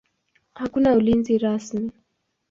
Hakuna ulinzi rasmi.